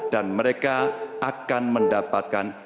dan mereka akan mendapatkan